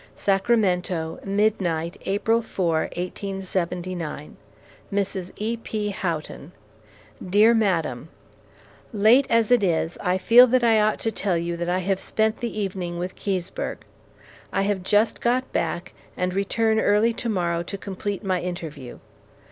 SACRAMENTO, Midnight, April 4, 1879 MRS. E.P. HOUGHTON, DEAR MADAM: Late as it is, I feel that I ought to tell you that I have spent the evening with Keseberg. I have just got back, and return early to morrow to complete my interview.